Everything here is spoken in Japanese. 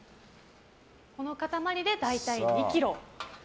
この塊で大体２ｋｇ。